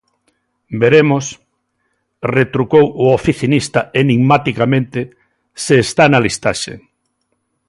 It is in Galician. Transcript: _Veremos _retrucou o oficinista enigmaticamente_ se está na listaxe.